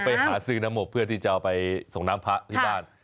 วันก่อนผมไปหาซื้อน้ำอบเพื่อที่จะเอาไปส่งน้ำผักที่บ้าน